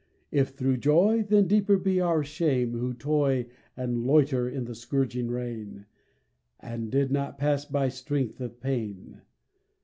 If through joy, Then deeper be our shame who toy And loiter in the scourging rain, And did not pass by strength of pain.